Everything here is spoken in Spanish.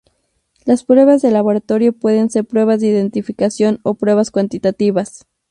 Las pruebas de laboratorio pueden ser pruebas de identificación o pruebas cuantitativas.